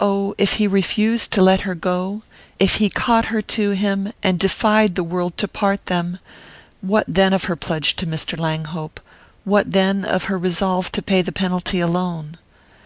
Oh, if he refused to let her go if he caught her to him, and defied the world to part them what then of her pledge to Mr. Langhope, what then of her resolve to pay the penalty alone?